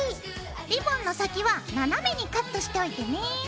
リボンの先は斜めにカットしておいてね。